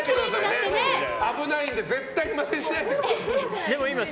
危ないんで絶対にマネしないでください。